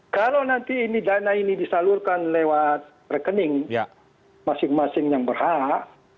kalau nanti ini dana ini disalurkan lewat rekening masing masing yang berhak